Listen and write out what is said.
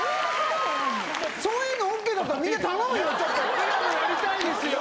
俺らもやりたいですよ。